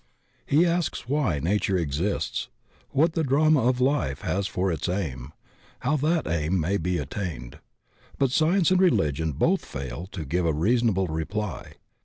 He asks why Nature exists, what the drama of life has for its aim, how that aim may be attained. But Science and Religion both fail to give a reasonable reply.